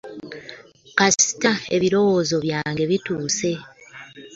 Kasita ebirowoozo byange bituuse.